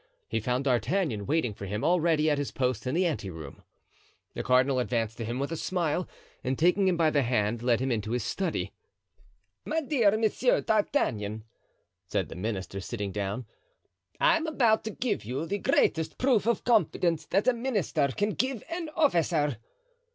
He found D'Artagnan waiting for him already at his post in the ante room. The cardinal advanced to him with a smile and taking him by the hand led him into his study. "My dear M. d'Artagnan," said the minister, sitting down, "I am about to give you the greatest proof of confidence that a minister can give an officer."